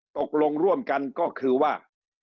ตกลงร่วมกันก็คือว่า